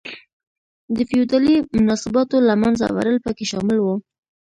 د فیوډالي مناسباتو له منځه وړل پکې شامل و.